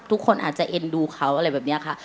ทุกคนอาจจะเอ็นดูเขาอะไรแบบนี้ค่ะ